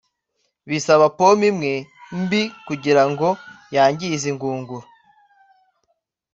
bisaba pome imwe mbi kugirango yangize ingunguru!